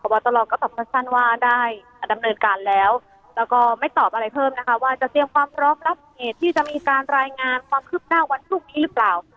วัตรก็ตอบสั้นว่าได้ดำเนินการแล้วแล้วก็ไม่ตอบอะไรเพิ่มนะคะว่าจะเตรียมความพร้อมรับเหตุที่จะมีการรายงานความคืบหน้าวันพรุ่งนี้หรือเปล่า